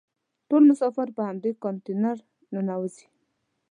ټول مسافر په همدې کانتینر ننوزي.